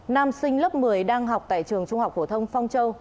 nam sinh lớp một mươi đang học tại trường trung học phổ thông phong châu